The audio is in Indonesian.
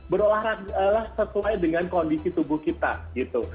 berolahraga lah sesuai dengan kondisi tubuh kita gitu